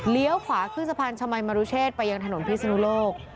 ขวาขึ้นสะพานชมัยมรุเชษไปยังถนนพิศนุโลก